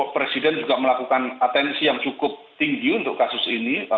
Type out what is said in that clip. presiden juga melakukan atensi yang cukup tinggi untuk kasus ini